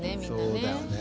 そうだよね。